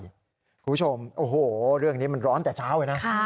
คุณผู้ชมโอ้โหเรื่องนี้มันร้อนแต่เช้าเลยนะ